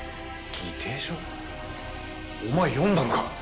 お前読んだのか！？